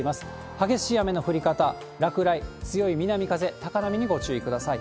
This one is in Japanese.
激しい雨の降り方、落雷、強い南風、高波にご注意ください。